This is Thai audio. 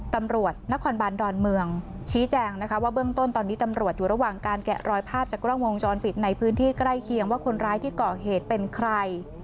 ตำรวจนครบานดอนเมืองชี้แจงนะคะว่าเบื้องต้นตอนนี้ตำรวจอยู่ระหว่างการแกะรอยภาพจากกล้องวงจรปิดในพื้นที่ใกล้เคียงว่าคนร้ายที่ก่อเหตุเป็นใคร